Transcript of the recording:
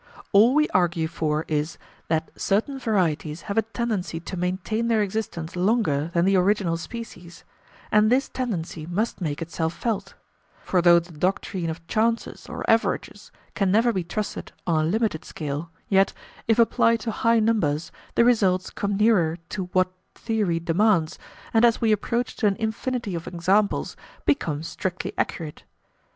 All we argue for is, that certain varieties have a tendency to maintain their existence longer than the original species, and this tendency must make itself felt; for though the doctrine of chances or averages can never be trusted to on a limited scale, yet, if applied to high numbers, the results come nearer to what theory demands, and, as we approach to an infinity of examples, become strictly accurate.